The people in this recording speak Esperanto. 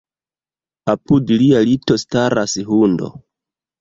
Apud lia lito staras hundo.